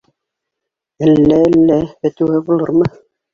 Әллә-әллә, фәтүә булырмы?..